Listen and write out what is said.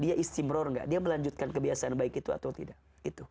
dia istimror nggak dia melanjutkan kebiasaan baik itu atau tidak